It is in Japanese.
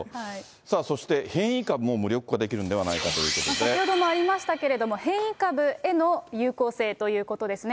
さあ、そして変異株も無力化できるんではないかとい先ほどもありましたけれども、変異株への有効性ということですね。